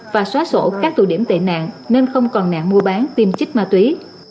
và xóa sổ các tù điểm tệ nạn nên không còn nạn mua bán tiêm chích ma túy